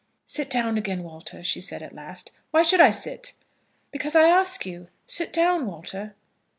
"Sit down again, Walter," she said at last. "Why should I sit?" "Because I ask you. Sit down, Walter."